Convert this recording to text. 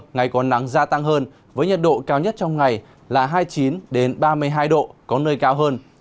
ngày còn nắng gia tăng hơn với nhiệt độ cao nhất trong ngày là hai mươi chín ba mươi hai độ có nơi cao hơn